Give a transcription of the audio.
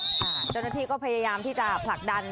พระบุว่าจะมารับคนให้เดินทางเข้าไปในวัดพระธรรมกาลนะคะ